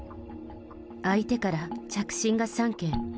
相手から着信が３件。